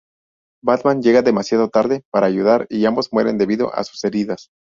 Batman llega demasiado tarde para ayudar y ambos mueren debido a sus heridas.